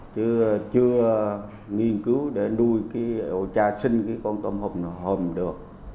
chứ chưa nghiên cứu để nuôi cái ổ cha sinh cái con tôm hùm được